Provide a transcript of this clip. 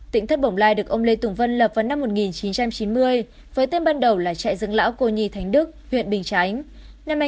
tỉnh thất bồng lai được ông lê tùng vân lập vào năm một nghìn chín trăm chín mươi với tên ban đầu là trại dựng lão cô nhi thánh đức huyện bình chánh